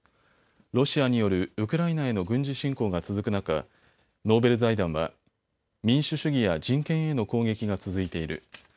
ロシアによるウクライナへの軍事侵攻が続く中、ノーベル財団は民主主義や人権への攻撃が続いている。